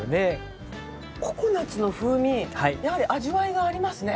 ココナッツの風味やはり味わいがありますね。